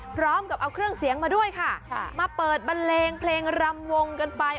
พร้อมกับเอาเครื่องเสียงมาด้วยค่ะมาเปิดบันเลงเพลงรำวงกันไป